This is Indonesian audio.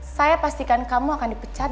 saya pastikan kamu akan dipecat